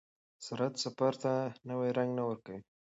سرعت سفر ته نوی رنګ نه ورکوي.